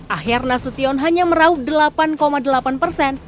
ahyar nasution hanya merauk delapan delapan persen